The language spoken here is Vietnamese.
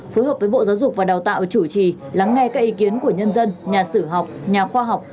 phối hợp với bộ giáo dục và đào tạo chủ trì lắng nghe các ý kiến của nhân dân nhà sử học nhà khoa học